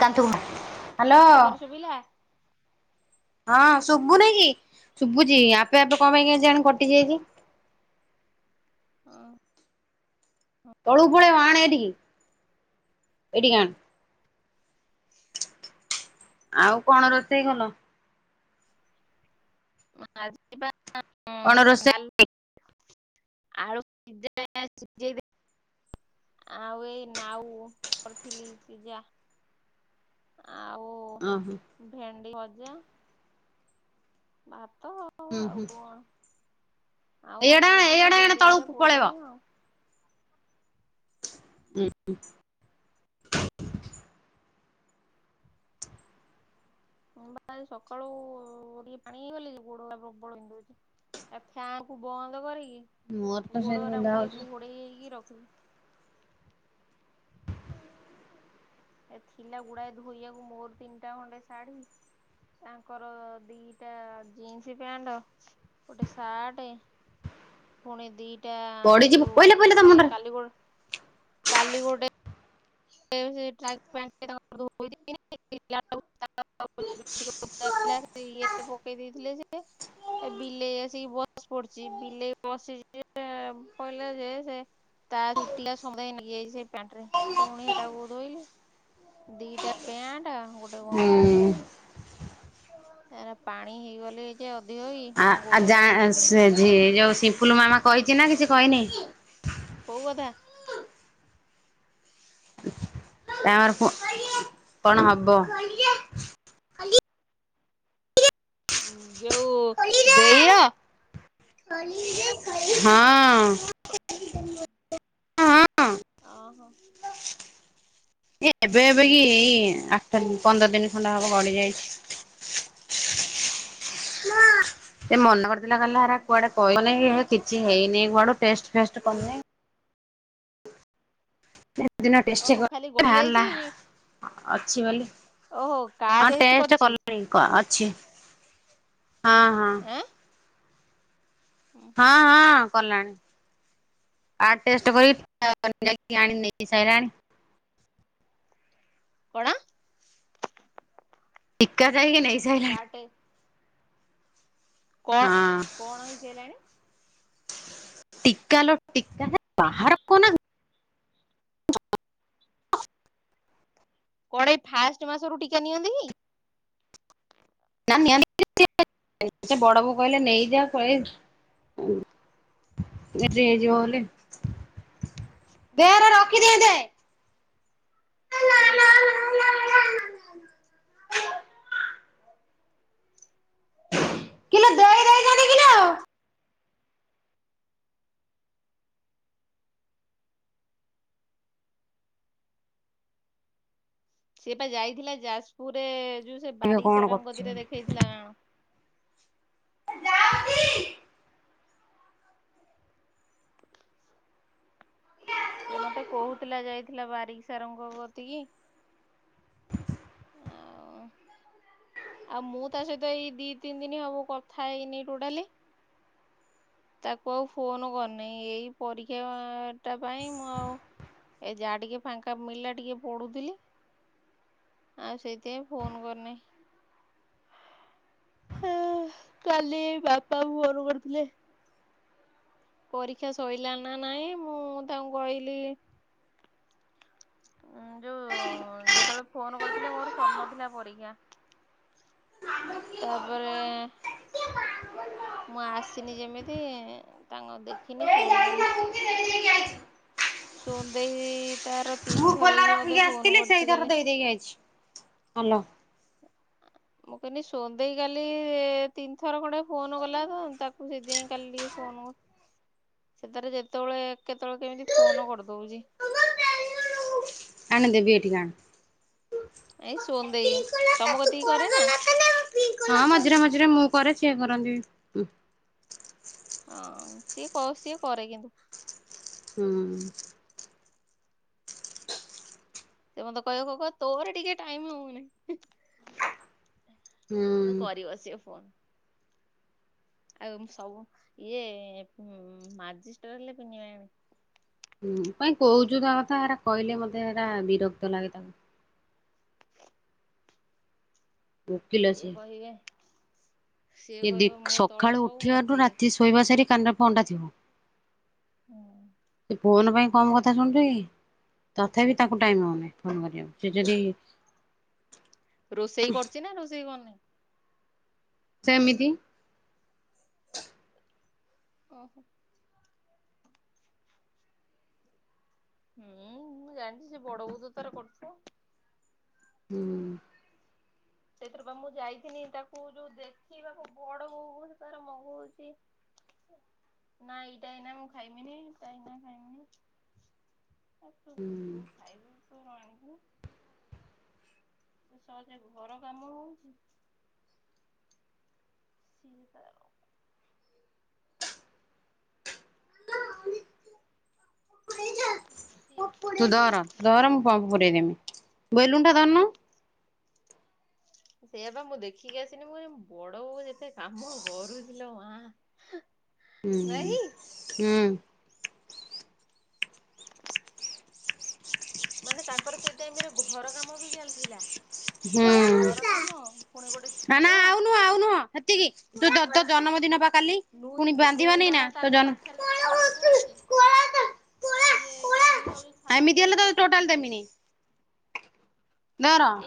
Hello. ଏଥର ଶୁଭିଲା ହଁ ଶୁଭୁ ନାଇ କି ଶୁୁଭୁ। ଜ ଆପେ ଆପେ କଣ ପାଇଁ କେତି ଜଣ କଟିଯାଇଛି। ତଳୁ ପଲେଇବା ଆଣ ଏଇଠିକ ଏଇଠିକଣ। ଆଉ କଣ ରୋଷେଇ କଲ। ମା ଅଣ ରସ ଆଳୁ [unintelligible] ଆଉ ଏଇ ନାଉ କରିଥିଲି ସିଜା ଓ ହୋ। ଜା ବା ହୁଁ ହୁଁ। ଆଉ ଏଇଆଡେ ହବ ଆଣେ ଯଦି ସେ ଏଇଆଡେ ଆଣେ ଭେଣ୍ଡି ଦିଟା ତଳକୁ ପଳେଇବ ପୋଡିଦେବି ଆଉ। ହୁଁ। ବା ସକାଳୁ ଟିକେ ପାଣି ହେଇ ଗଲି ଯେ ଗୋଡ ପ୍ରବଳ ହ ଦଉଛି ଆ ଖ୍ୟାଁକୁ ବନ୍ଦ ମୋର ତ କରିକି ଗୋଡ ସେମିତି ବିନ୍ଧା ଟାକୁ ଟିକେ ହଉଛି। ଘୋଡେଇ ହେଇକି ରଖ ହୁଁ। ଏ ଥିଲା ଗୁଡାଏ ଧୋଇବାକୁ ମୋର ତିନିଟା ଖଣ୍ଡେ ଶାଢୀ ତାଙ୍କର ଦିଟା ଜିନ୍ସ ପ୍ୟାଣ୍ଟ ଗୋଟେ ସାର୍ଟ ପୁଣି ଦିଟା ଏଟା ପଡିଯିବୁ ଯୋଉ ପଇଲା ପଇଲା ତା ଇଏ ମୁଣ୍ଡରେ କାଲିଗୋଡ କାଲିଗୋଡେ [inaudible] ଇଏ ପକେଇ ଦେଇଥିଲେ ଯେ ଏ ବିଲେଇ ଆସିକି ବସ ପଡିଛି ବିଲେଇ ବସିଛି ପହିଲା ଯେ ସେ ତା ଚୁଟିଆ ସନ୍ଧ୍ୟା ନେଇକି ଯାଇଛି ସେ ପ୍ୟାଣ୍ଟ ରେ ପୁଣି ଟା କ ଧୋଇଲି ଦିଟା ପ୍ୟାଣ୍ଟ ଆଉ ଗୋଟେ ହୁଁ। ଗଞ୍ଜି ଏ ପାଣି ହେଇଗଲେ ଯେ ଅଧିକ କି ଆ ଗୋଡ ଯା ଗୁରା ଖାଲି ସେ ବିନ୍ଧିଲା ଯଉ ଫୁଲ ମାମା କହିଛି ନା କିଛି କହିନି କଉ କଥାେ ଆମର କଣ ହବ ଯୋଉ ଦେଇୟ ହଁ। ହଁ। ଓହୋ। ଏ ଏବେ ଏବେ କି ଏଇ ଆଠ ଦିନ ପନ୍ଦର ଦିନ ଖଣ୍ଡା ହବ ଗଡି ଯାଇଛି। ସେ ମନ କରିଦଥିଲା କହିଲରା ଓହୋ କୁଆଡେ କହିଲ। କିଛି ହେଇନି କୁଆଡୁ ଟେଷ୍ଟ ଫେଷ୍ଟ କରିନି ଦିନ ଟେଷ୍ଟ ଓହୋ ଖାଲି ଗଳି ଯାଇଛି ଅଛି ବୋଲି ଓହୋ କାର୍ଡ ହଁ ଟେଷ୍ଟ କରିଛି କଲେଣି କ [unintelligible] ହଁ ହଁ। ଆଁ ହଁ ହଁ। କଲାଣି ଆ ଟେଷ୍ଟ କରିକି [unintelligible] ନେଇକି ଆଣିକି ନେଇ ସାରିଲାଣି। କଣ? ଏକା। କାଇଁକି ନେଇ ସାଇଲାଣି। କାର୍ଡ ଟେ କଣ କଣ ହେଇ ସାଇଲାଣି? ଟିକା ଲୋ ଟିକା [unintelligible] କଣ ଏଇ ଫାଷ୍ଟ ମାସରୁ ଟିକା ନିଅନ୍ତି କି? [unintelligible] ବଡବୋଉ କହିଲେ ନେଇ ଯାଓ [unintelligible] ହେଇଯିବ ବୋଲି ହୁଁ ହୁଁ। [unintelligible] ସିଏ ପା ଯାଇଥିଲା ଯାଜପୁରରେ ଯୋଉ ସେ ଦେଖିଆ ବାରିକ କଣ ସାରଙ୍କ କରୁଛି କତିରେ ଦେଖେଇଥିଲା ନା କଣ? [unintelligible] ସେ ମତେ କହୁଥିଲା ଯାଇଥିଲା ବାରିକ ସାରଙ୍କ କତିକି ଆଉଁ। ଆଉ ମୁଁ ତା ସହିତ ଏଇ ଦି ତିନି ଦିନ ହେବ କଥା ହେଇନି, ଟୋଟାଲି ତାକୁ ଆଉ ଫୋନ କରିନି। ଏଇ ପରୀକ୍ଷା ତା ପାଇଁ ମୁଁ ଆଉ ଏ ଯାହା ଟିକେ ଫାଙ୍କା ମିଳିଲା ଟିକେ ପଡୁଥିଲି ଆଉ ସେଇଥିପାଇଁ ଫୋନ କରିନାହିଁ। କାଲି ବାପା ଫୋନ୍ କରିଥିଲେ। ପରୀକ୍ଷା ସଇଲା ନା ନାଇଁ ମୁଁ ତାଙ୍କୁ କହିଲି। ଯୋଉ ଯେତେବେଳେ ଫୋନ କରିଥିଲେ ମୋର ସରି ନଥିଲା ପରୀକ୍ଷା ତାପରେ ମୁଁ ଆସିନି ଯେମିତି ତାଙ୍କୁ ଦେଖିନି ଫୋନ କରିନି। ସୋଦେଇ ତାର ତିନି ମୁଁ ଥର ଖୋଲା କି ମତେ ରଖିକି ଫୋନ ଆସିଥିଲି କରିଛି ସେଇଥର କାଲି ଦେଇଦେଇ ଆଇଚି, ହାଲୋ। ମୁଁ କହିନି ଶୋଦେଇ କାଲି ତିନିଥର ଖଣ୍ଡେ ଫୋନ କଲା ତ ତାକୁ ସେଥିପାଇଁ କାଲି ଟିକେ ଫୋନ ସେଥେରେ ଯେତେବୋଲେ କେତେବେଳେ କେମିତି ଫୋନ କରିଦଉଛି। ଆଣ ଦେବି ଏଇଠିକି ଆଣ। ଏଇ ସୋନ୍ଦେଇ ତମ କତିକି କରେ ନା [unintelligible] ହଁ ମଝିରେ ମଝିରେ ମୁଁ ପରେ ସିଏ କରନ୍ତି। ହଁ ସିଏ କରେ କିନ୍ତୁ ହଁ। ସେ ମତେ କହିବ କ କହ ତୋର ଟିକେ ଟାଇମ ହଉନି। ହୁଁ କିନ୍ତୁ କରିବ ସିଏ ଫୋନ୍। ଆଉ ଏମ୍ ସବୁ ଇଏ ଉଁ ମାଜିଷ୍ଟର୍ ହେଲେ [unintelligible] ହୁଁ କାଇଁ କହୁଛୁ ତା କଥା ହେଟା କହିଲେ ମତେ ଏଟା ବିରକ୍ତ ଲାଗେ ତାକୁ। ସିଏ କହିବେ। ସିଏ ସେ କହିବେ ମୋ ତଳେ ସକାଳୁ ସବୁ ଉଠିବାରୁ ମତେ ଇଏ ରାତି ଶୋଇବା ସାରିକ କାନରେ ଫୋନଟା ଥିବ। ହୁଁ। ସେ ଫୋନ ପାଇଁ କମ କଥା ଶୁଣୁଛୁ କି ତଥାପି ତାଙ୍କୁ ଟାଇମ୍ ହଉନି ଫୋନ୍ କରିବାକୁ ସେ ଯଦି ରୋଷେଇ କରୁଛି ନା ରୋଷେଇ କନି ସେମିତି ଓହୋ। ହୁଁ ମୁଁ ଜାଣିଛି ସେ ବଡ ବଦ ତାର କରୁଛ। ହୁଁ। ସେଥିର ବା ମୁଁ ଯାଇଥିନି ତାକୁ ଯୋଉ ଦେଖି ବାକୁ ବଡ ବୋଉ ତାର ମଗଉଛି ନା ଏଇଟା ଏନା ମୁଁ ଖାଇବିନି ଏଇଟା ଏଇନା ଖାଇମିନି ତୁ ବୁ ଖାଇବୁ। ତରଣିବୁ ସେ ସଜକୁୁ ଘର କାମ ହଉଛି। ସିଏ ତାର ହଉଛି [unintelligible] ତୁ ଧର ଧର ମୁଁ ପମ୍ପ ପୁରାଇଦମି ବେଲୁନଟା କାଢନୁ ସେଇଆାପା ମୁଁ ଦେଖିକି ଆସିନି ମୁଁ ବଡବୋଉ ଯେତେ କାମ କରୁଛିଁ ଲୋ ମା ହୁଁ ନାହିଁ ହୁଁ। ମାନେ ତାଙ୍କର ସେଇଟାଇମିରେ ଘର କାମ ବି ଚାଲିଥିଲା। ହୁଁ ଘର କାମ ପୁଣି ଗୋଟେ ନା ନା ଛୁଆ ଆଉ ନୁହ ଆଉ ନୁହଁ ହେତିକି ଦୁ ତ ଜନ୍ମଦିନ ପାଖ ନଇ ନୁଇ ନ ଟା ତାଙ୍କ ପାଖରେ ଥିଲା ବା ଯେତେବେଳେ ଇଏ ଚିନି ଭାବି ଛାଡିକି ଏମିତି ହେଲେ ତ ଯାଇଥିଲେ। ଟୋଟାଲ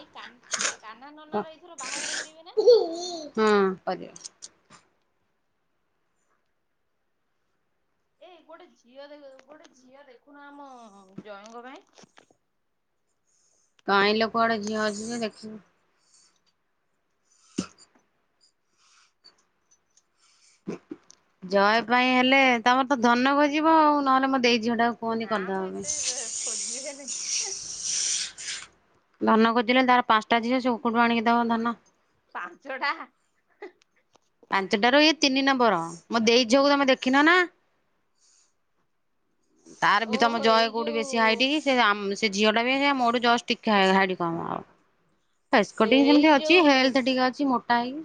ଏଇ କାନ୍ କାହ୍ନା ନନାର ଏଇଥର ହଁ ବାହାଘର କରିବେ ନା? ପ [unintelligible] ଏଇ ଗୋଟେ ଝିଅ ଦେଖ ଗୋଟେ ଝିଅ ଦେଖୁନା ଆମ ଜ୍ୱଇଁଙ୍କ ପାଇଁ କାଇଁ ଲୋକ ଆଡେ ଝିଅ ଅଛି ଯେ ଦେଖିବ। ଜୟ ପାଇଁ ହେଲେ ତମର ତ ଧନ ଖୋଜିବ ଆଉ ନହେଲେ ମୁଁ ଦେଇ ଝିଅଟାକୁ କୁହନ୍ତି ନା ମ ଏତେ କରିଦବାପାଇଁ। ଖୋଜିବେନି ଧନ ଖୋଜିଲେ ତାର ପାଞ୍ଚଟା ଝିଅ ସେକଉଠୁ ଆଣିକି ଦବ ଧନ ପାଞ୍ଚଟା ହଁ। ପାଞ୍ଚଟ ର ଇଏ ତିନି ନମ୍ବର ମୁଁ ଦେଇଝିଅକୁ ତମେ ଦେଖିନ ନା। ତାର ବି ତମ ଓହୋ ଜୟ ଏଇ କୋଉଠି ବେଶୀ ଯୋଉ ହାଇଟି କି ସେ ସେ ଝିଅ ଟା ବିଇ ମୋରଠୁ ଜଷ୍ଟ ଟିକେ ହାଇଡ଼ି କମ ଆଉ। ଫେସକଟିଙ୍ଗ ଏଇ ଯେମିତି ଅଛି ଯୋଉ ହେଲଥ ଟିକେ ଅଛି ମ ଆାଇ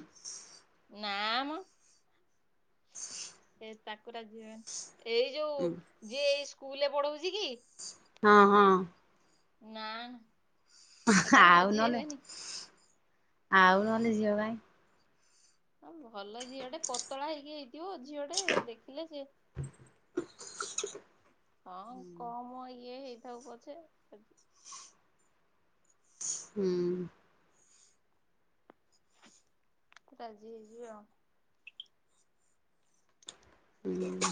ନା। ହଁ। [unintelligible] ଠାକୁରା ଯିବେ। ଏଇ ଯୋଉ ହୁଁ ଯିଏ ଏଇ ସ୍କୁଲରେ ପଢଉଛି କି? ହଁ ହଁ। ନା। ଏଟାକୁ ଆଉ ରାଜି ନହେଲେ ହେବେନି। ଆଉ ନହେଲେ ଝିଅ ଭାଇ ହଁ ଭଲ ଝିଏ ଗୋଟେ ପତଳା ହେଇକି ହେଇଥିବ ଝିଅଟେ ଦେଖିଲେ ସିଏ ଆଛା ହଁ କମ ଇଏଇ କଥା ପଛେ ହୁଁ ତାଜି ହେଇଛି ହୁଁ।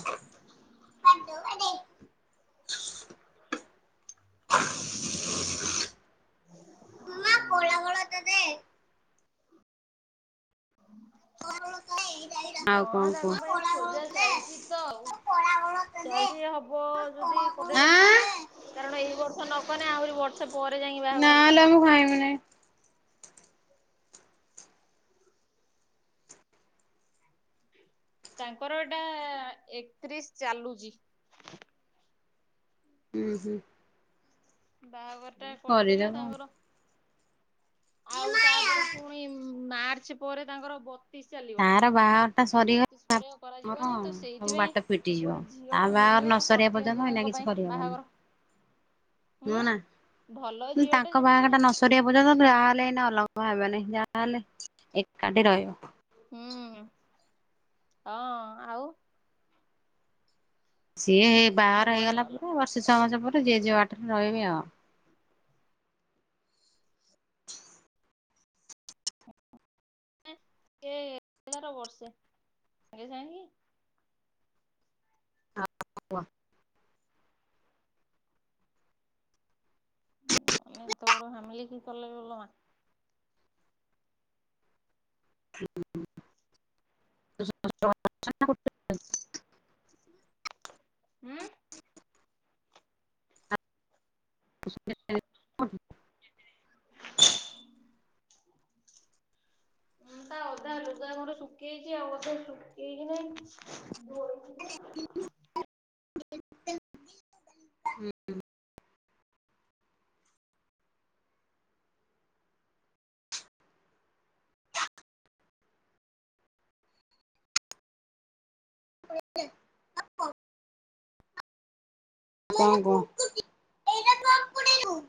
ମୁ ପଳ ହଳ ତ ଦେେ ଆଉ ହଁ କଣ କୁହ? ତାଙ୍କ ପାଇଁ ଖୋଜା ଚାଲିଛି ତ ଆଉ ଚାଲିଛି ହବ ଯଦି କରିଦେବେ ଆଁ କାରଣ ଏ କରଛ ନ ନା ବଟସଆପ୍ ପରେରେ ଯାଇଙ୍ଗ ନାଲୋ ବା ମୁଁ ଖାଇମିନି। ତାଙ୍କର ଏଇଟା ଏକତିରିଶ ଚାଲୁଚ ହୁଁ ହୁଁ ବାହାଘର ଟା କରିଦେଲେ କରିଦବ। ତାଙ୍କର ଆଉ ତାପରେ ପୁଣି ମାର୍ଚ୍ଚ ପରେ ତାଙ୍କର ବତିଶ ଚାଲିବ ତାର ବାହାଘରଟା ଆଉ ସରିଗ ବତିଶ ପରେ ଆମର କରାଯିବନି ତ ସବୁ ସେଇଥିପାଇଁ ବାଟ ପିଟିଯିବ ଗୋଟେ ତା ଝିଅଟେ ବା ମିଳିଲେ ନସରିବା କରିଦିଅନ୍ତୁ ପର୍ଯ୍ୟନ୍ତ ଏଇନା ତାଙ୍କ କିଛି ପାଇଁ ବାହାଘର। କରିହବନି ନୁହ ହୁଁ ନା ଭଲ ଝିଅଟେ ତାଙ୍କ ଯେମିତି ବାହାଘର ହୁଁ ଟା ନ ସରିବା ପର୍ଯ୍ୟନ୍ତ ଯାହାହଲେ ଏଇ ଅଲଗ ଭିବାନାଇ ଯାହାହେଲେ ଏକାଠି ରହିବ ହୁଁ ହଁ ଆଉ ସିଏ ହେଇ ବାହାର ହବନି ହେଇଗଲା ଗଲ ପରେ ବର୍ଷ ସମାଜ ପୁର ଯଜ ବାଟରେ ରହିବ ଆଉ ସେ ବସେଙ୍ଗେକ କି େ ତର ହାମିଲି କି କଲେ ବଲ ମା ହୁଁ ଉଁ ଅଧା ଲୁଗା ମୋର ଶୁଖିଯାଇଛି ଆଉଅଧା ଶୁଖିଛି କି ନାଇଁ? ହୁଁ। ହ। କ କହ।